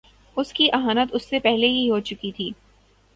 اس کی اہانت اس سے پہلے ہی ہو چکی تھی۔